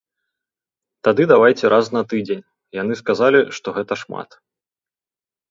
Тады давайце раз на тыдзень, яны сказалі, што гэта шмат.